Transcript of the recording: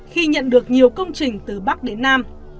khi nhận được nhiều công trình từ bắc đến nam